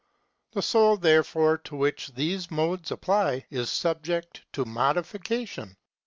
The soul, therefore, to which these modes apply, is sub ject to modification (§ 764, Ontol.)